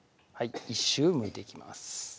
１周むいていきます